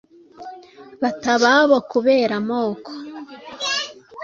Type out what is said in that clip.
bata ababo kubera amoko